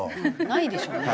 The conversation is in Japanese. ないでしょうね。